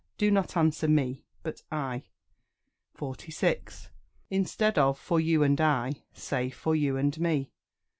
do not answer "Me," but "I." 46. Instead of "For you and I," say "For you and me."